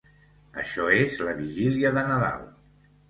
Això és la vigília de Nadal.